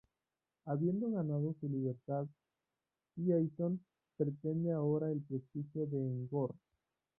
Habiendo ganado su libertad Jason pretende ahora el prestigio en Gor.